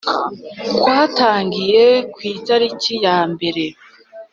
kwatangiye ku itariki ya mbere